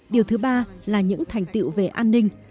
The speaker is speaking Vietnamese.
điều thứ ba là những thành tiệu về an ninh